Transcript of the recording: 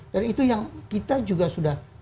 dan itu yang kita juga sudah